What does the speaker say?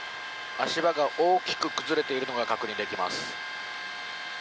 足場が大きく崩れているのが確認できます。